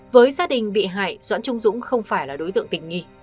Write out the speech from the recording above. với gia đình bị hại doãn trung dũng không phải là đối tượng tỉnh nghi